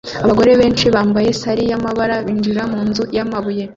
Abagore benshi bambaye sari y'amabara binjira munzu yamabuye